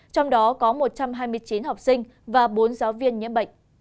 trong đó có một trăm hai mươi chín học sinh và bốn giáo viên nhiễm bệnh